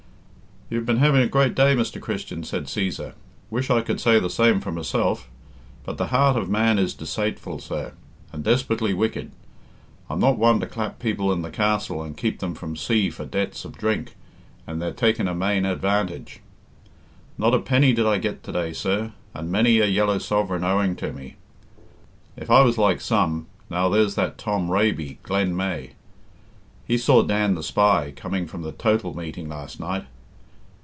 "You've been having a great day, Mr. Christian," said Cæsar. "Wish I could say the same for myself; but the heart of man is decaitful, sir, and desperately wicked. I'm not one to clap people in the castle and keep them from sea for debts of drink, and they're taking a mane advantage. Not a penny did I get to day, sir, and many a yellow sovereign owing to me. If I was like some now there's that Tom Raby, Glen Meay. He saw Dan the Spy coming from the total meeting last night.